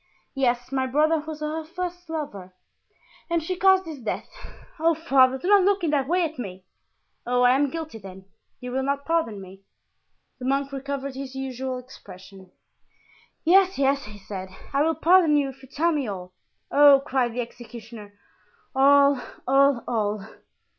"Yes, my brother was her first lover, and she caused his death. Oh, father, do not look in that way at me! Oh, I am guilty, then; you will not pardon me?" The monk recovered his usual expression. "Yes, yes," he said, "I will pardon you if you tell me all." "Oh!" cried the executioner, "all! all! all!"